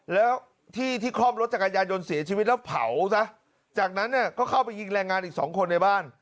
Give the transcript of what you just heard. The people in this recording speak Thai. แล้วที่ที่คล่อมรถจักรยานยนต์เสียชีวิตแล้วเผาซะจากนั้นเนี่ยก็เข้าไปยิงแรงงานอีกสองคนในบ้าน